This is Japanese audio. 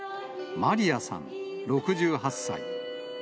マリヤさん６８歳。